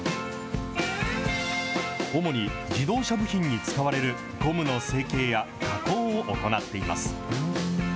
主に自動車部品に使われるゴムの成型や、加工を行っています。